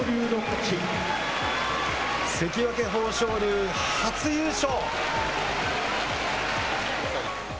関脇・豊昇龍、初優勝。